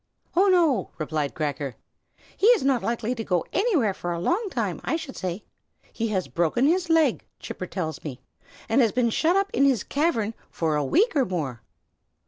"Oh, no!" replied Cracker. "He is not likely to go anywhere for a long time, I should say. He has broken his leg, Chipper tells me, and has been shut up in his cavern for a week and more."